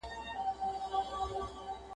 خر هغه دی خو کته یې بدله ده !.